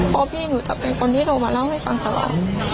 เพราะพี่หนูจะเป็นคนที่โทรมาเล่าให้ฟังตลอด